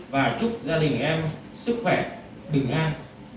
và chúc gia đình em sức khỏe bình an